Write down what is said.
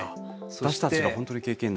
私たちが本当に経験ない。